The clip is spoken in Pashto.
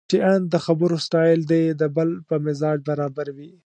چې ان د خبرو سټایل دې د بل په مزاج برابر وي.